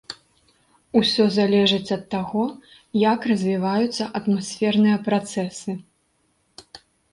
Усё залежыць ад таго, як развіваюцца атмасферныя працэсы.